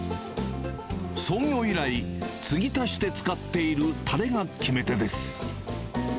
創業以来、継ぎ足して使っているたれが決め手です。